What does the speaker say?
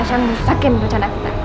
tasya ngerusakin percanda kita